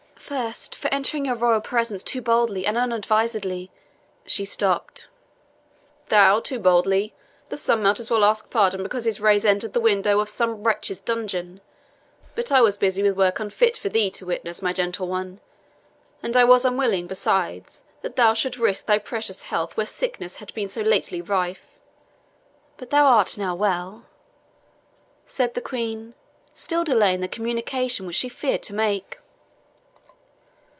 "First, for entering your royal presence too boldly and unadvisedly " She stopped. "THOU too boldly! the sun might as well ask pardon because his rays entered the windows of some wretch's dungeon. But I was busied with work unfit for thee to witness, my gentle one; and I was unwilling, besides, that thou shouldst risk thy precious health where sickness had been so lately rife." "But thou art now well?" said the Queen, still delaying the communication which she feared to make.